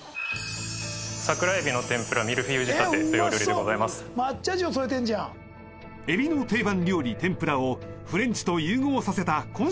桜エビの天ぷらミルフィーユ仕立てというお料理でございます抹茶塩添えてんじゃんエビの定番料理天ぷらをフレンチと融合させたこん